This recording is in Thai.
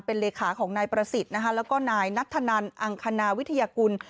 เป็นเลขาของนายประสิทธิ์นะคะแล้วก็นายนัทธนันอังคณาวิทยากุล